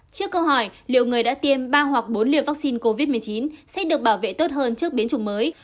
trước câu hỏi liệu người đã tiêm ba hoặc bốn liều vaccine covid một mươi chín sẽ được bảo vệ tốt hơn trước biến chủng mới